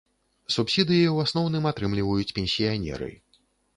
Субсідыі ў асноўным атрымліваюць пенсіянеры.